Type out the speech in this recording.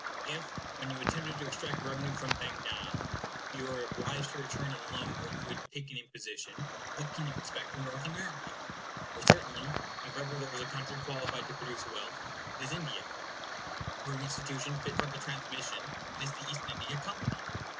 If, when you attempted to extract revenue from Bengal, you were obliged to return in loan what you had taken in imposition, what can you expect from North America? For certainly, if ever there was a country qualified to produce wealth, it is India; or an institution fit for the transmission, it is the East India Company.